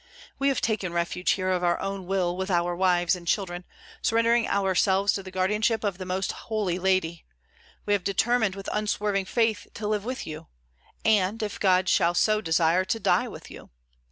We have taken refuge here of our own will, with our wives and children; surrendering ourselves to the guardianship of the Most Holy Lady, we have determined with unswerving faith to live with you, and, if God shall so desire, to die with you.